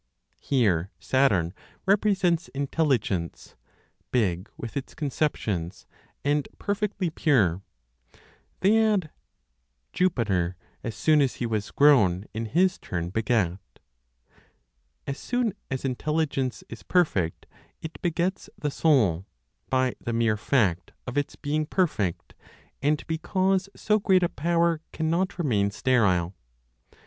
Here Saturn represents intelligence, big with its conceptions, and perfectly pure. They add, "Jupiter, as soon as he was grown, in his turn begat." As soon as Intelligence is perfect, it begets the Soul, by the mere fact of its being perfect, and because so great a power cannot remain sterile.